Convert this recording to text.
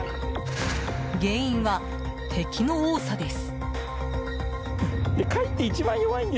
原因は、敵の多さです。